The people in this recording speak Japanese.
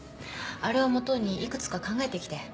あれを基にいくつか考えてきて。